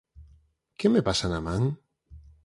Que me pasa na man?